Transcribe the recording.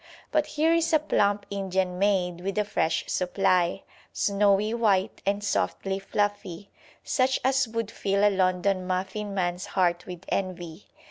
But here is a plump Indian maid with a fresh supply, snowy white and softly fluffy, such as would fill a London muffin man's heart with envy.